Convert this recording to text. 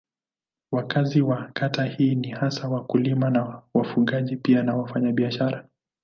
Wakazi wa kata hii ni hasa wakulima na wafugaji pia ni wafanyabiashara.